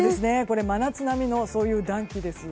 真夏並みのそういう暖気です。